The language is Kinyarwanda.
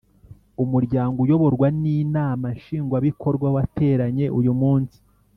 Umuryango uyoborwa ninama nshingwabikorwa wateranye uyumunsi